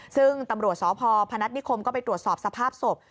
ซึ่งตำรวจสพพนัฐนิคมก็ไปตรวจสอบสภาพศพ